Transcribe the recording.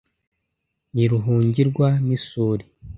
Ntiruhungirwa n'isuri.